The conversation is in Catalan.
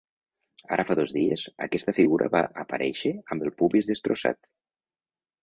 Ara fa dos dies, aquesta figura va aparèixer amb el pubis destrossat.